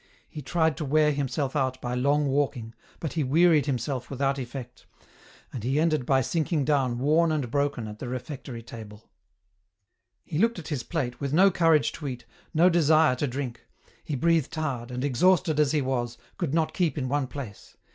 He tried to wear himself out by long walking, but he wearied himself without effect, and he ended by sinking down worn and broken at the refectory table. 248 EN ROUTE. He looked at his plate, with no courage to eat, no desire to drink ; he breathed hard, and, exhausted as he was, could not keep in one place.